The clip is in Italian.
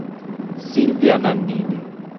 Silvia Nannini